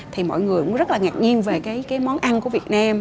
thì mọi người cũng rất là ngạc nhiên về cái món ăn của việt nam